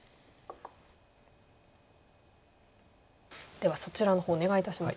ではそちらの方お願いいたします。